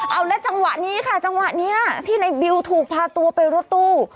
เอาแล้วจังหวะนี้ค่ะจังหวะนี้ที่ในบิวถูกพาตัวไปรถตู้